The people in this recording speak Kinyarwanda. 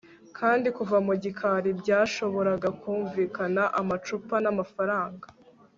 kandi kuva mu gikari byashoboraga kumvikana amacupa n'amafaranga